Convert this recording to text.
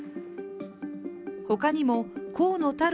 他にも河野太郎